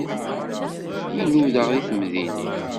I nudaɣ deg temdinin.